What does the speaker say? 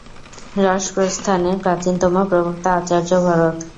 রসপ্রস্থানের প্রাচীনতম প্রবক্তা আচার্য ভরত।